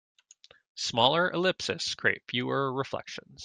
Smaller ellipses create fewer reflections.